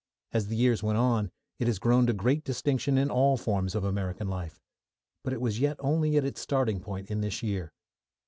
As the years went on, it has grown to great distinction in all forms of American life, but it was yet only at its starting point in this year.